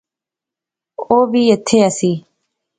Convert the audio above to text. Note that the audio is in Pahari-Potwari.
او وی ایتھیں ایہہ سی